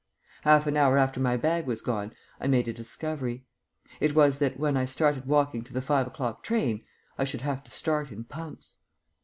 Half an hour after my bag was gone I made a discovery. It was that, when I started walking to the five o'clock train, I should have to start in pumps....